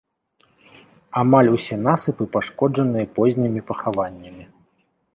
Амаль усе насыпы пашкоджаныя познімі пахаваннямі.